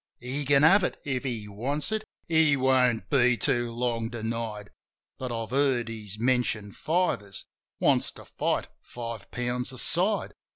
He can have it — if he wants it! He won't be too long denied! But I've heard he's mentioned fivers — wants to fight five pounds a side.